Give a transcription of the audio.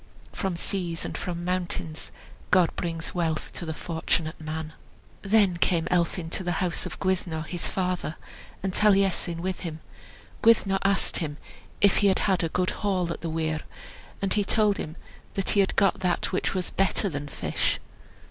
From seas and from mountains God brings wealth to the fortunate man." Then came Elphin to the house of Gwyddno, his father, and Taliesin with him. Gwyddno asked him if he had had a good haul at the weir, and he told him that he had got that which was better than fish.